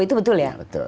itu betul ya